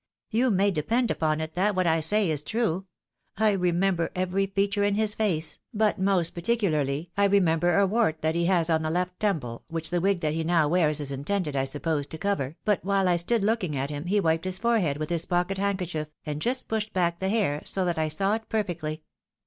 You may depend upon it that what I say is true — I remember every feature in his face, but most particularly I remember a wart that he has on the left temple, which the wig that he wears now is intended, I suppose, to cover ; but while I stood looking at him he wiped his forehead with his pocket handkerchief, and just pushed back the hair, so that I saw it perfectly.